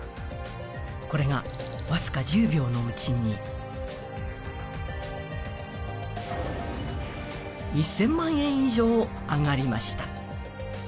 これが僅か１０秒のうちに１０００万円以上、上がりました。